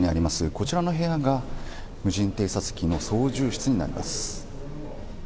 こちらの部屋が無人偵察機の操縦室になります。